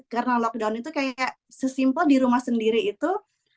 karena lockdown itu kayak sesimpel di rumah sendiri itu